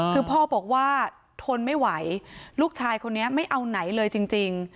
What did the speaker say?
คือพ่อบอกว่าทนไม่ไหวลูกชายคนนี้ไม่เอาไหนเลยจริง